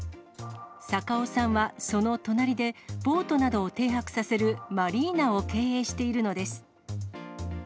坂尾さんはその隣で、ボートなどを停泊させるマリーナを経営しているのです。